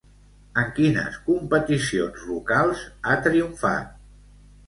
En quines competicions locals ha triomfat?